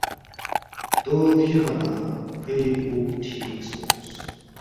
دو فیُونگما نہ کھوے بُو ٹھیک سونگس